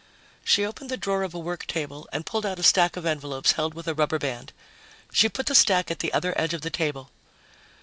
She opened the drawer of a work table and pulled out a stack of envelopes held with a rubber band. She put the stack at the other edge of the table.